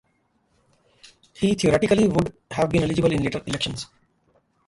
He theoretically also would have been eligible in later elections.